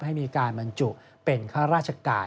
ให้มีการบรรจุเป็นข้าราชการ